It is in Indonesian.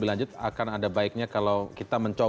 banyak juga yang bertanya kepada saya